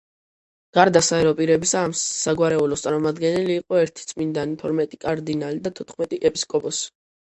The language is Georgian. გარდა საერო პირებისა, ამ საგვარეულოს წარმომადგენელი იყო ერთი წმინდანი, თორმეტი კარდინალი და თოთხმეტი ეპისკოპოსი.